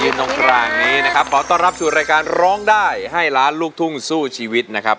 ตรงกลางนี้นะครับขอต้อนรับสู่รายการร้องได้ให้ล้านลูกทุ่งสู้ชีวิตนะครับ